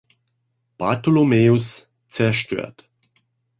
Bartholomäus zerstört.